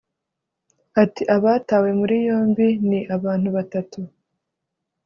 Ati“Abatawe muri yombi ni abantu batatu